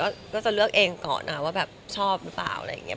แล้วจริงปกติก็จะเลือกเองก่อนว่าชอบหรือเปล่า